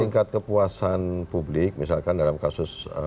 tingkat kepuasan publik misalkan dalam kasus